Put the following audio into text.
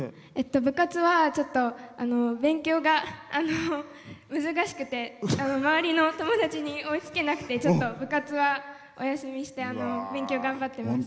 部活は、ちょっと勉強が難しくて周りの友達に追いつけなくて部活はお休みして勉強頑張ってます。